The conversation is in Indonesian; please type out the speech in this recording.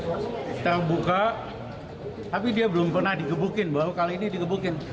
kita buka tapi dia belum pernah dikebukin baru kali ini dikebukin